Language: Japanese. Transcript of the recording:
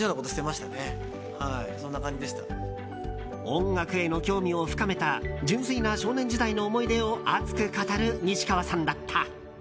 音楽への興味を深めた純粋な少年時代の思い出を熱く語る西川さんだった。